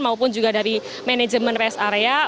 maupun juga dari manajemen rest area